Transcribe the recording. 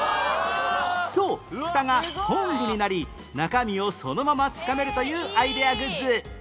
そうフタがトングになり中身をそのままつかめるというアイデアグッズ